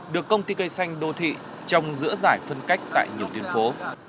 được công ty cây xanh đô thị trồng giữa giải phân cách tại nhiều tuyến phố